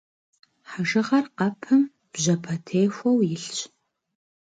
Хьэжыгъэр къэпым бжьэпэтехуэу илъщ.